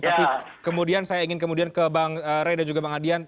tapi kemudian saya ingin kemudian ke bang rey dan juga bang adian